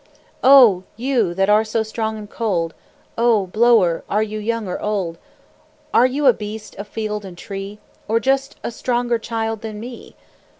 O you that are so strong and cold, O blower, are you young or old? Are you a beast of field and tree, Or just a stronger child than me?